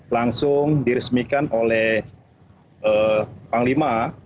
langsung diresmikan oleh panglima